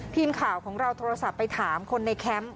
ทีมข่าวของเราโทรศัพท์ไปถามคนในแคมป์